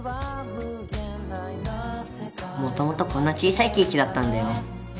もともとこんな小さいケーキだったんだよ。